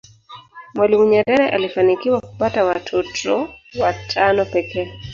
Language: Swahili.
mwalimu nyerere alifanikiwa kupata watotot watano pekee